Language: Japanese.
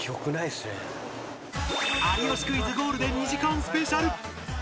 『有吉クイズ』ゴールデン２時間スペシャル